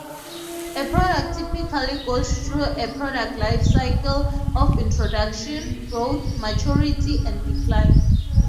A product typically goes through a product lifecycle of introduction, growth, maturity and decline.